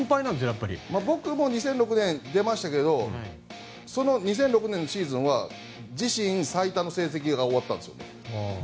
僕も２００６年出ましたがそのシーズンは自身最多の成績で終わったんです。